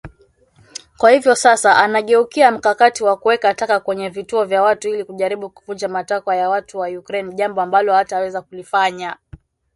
Kwa hivyo sasa anageukia mkakati wa kuweka taka kwenye vituo vya watu ili kujaribu kuvunja matakwa ya watu wa Ukraine jambo ambalo hawataweza kulifanya.